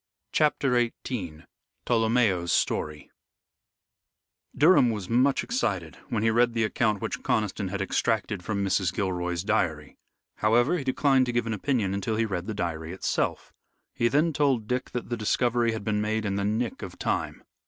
CHAPTER XVIII TOLOMEO'S STORY Durham was much excited when he read the account which Conniston had extracted from Mrs. Gilroy's diary. However, he declined to give an opinion until he read the diary itself. He then told Dick that the discovery had been made in the nick of time.